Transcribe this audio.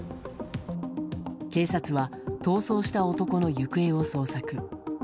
警察は逃走した男の行方を捜索。